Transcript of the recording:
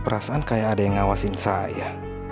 perasaan kayak ada yang ngawasin saya